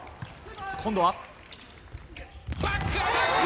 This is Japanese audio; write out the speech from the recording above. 今度は。